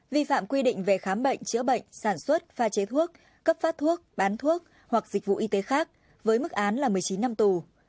vi phạm quy định về khám bệnh chữa bệnh sản xuất pha chế thuốc cấp phát thuốc bán thuốc hoặc dịch vụ y tế khác với mức án là một mươi chín năm tù